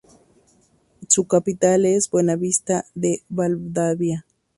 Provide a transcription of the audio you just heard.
Su capital es Buenavista de Valdavia.